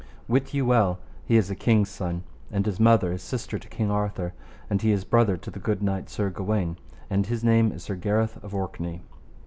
Wit you well he is a king's son, and his mother is sister to King Arthur, and he is brother to the good knight Sir Gawaine, and his name is Sir Gareth of Orkney.